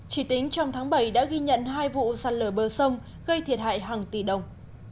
chỉ tính trong tháng bảy đã ghi nhận hai vụ sạt lở bờ sông gây thiệt hại hàng tỷ đồng